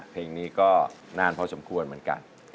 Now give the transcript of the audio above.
เพลงนี้ก็นานพอสมควรเหมือนกัน